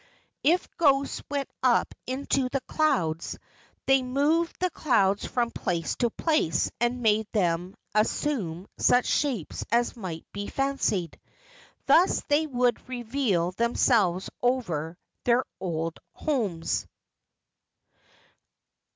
If ghosts went up into the clouds, they moved the clouds from place to place and made them assume such shapes as might be fancied. Thus they would reveal themselves over their old homes.